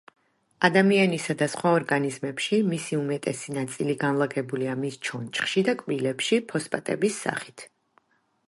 ადამიანისა და სხვა ორგანიზმებში მისი უმეტესი ნაწილი განლაგებულია მის ჩონჩხში და კბილებში ფოსფატების სახით.